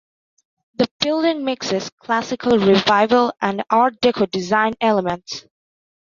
The building mixes Classical Revival and Art Deco design elements.